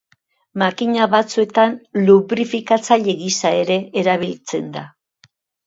Makina batzuetan lubrifikatzaile gisa ere erabiltzen da.